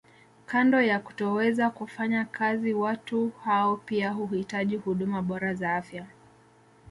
Kando ya kutoweza kufanya kazi watu hao pia huhitaji huduma bora za afya